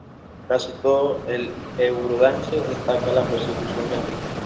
Casi todo el eurodance destaca la percusión y el ritmo.